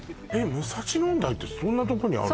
武蔵野音大ってそんなとこにあるの？